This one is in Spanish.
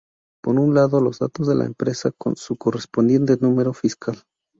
Por un lado los datos de la empresa, con su correspondiente número fiscal.